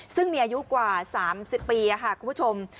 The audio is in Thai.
ซึ่งมีอายุกว่า๓๐ปีค่ะคุณผู้ชม